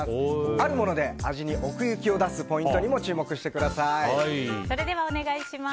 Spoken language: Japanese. あるもので味に奥行きを出すポイントにもそれではお願いします。